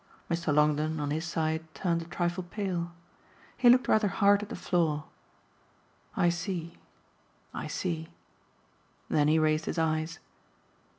Mr. Longdon, on his side, turned a trifle pale; he looked rather hard at the floor. "I see I see." Then he raised his eyes.